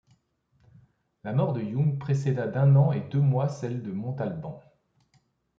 La mort de Young précéda d'un an et deux mois celle de Montalbán.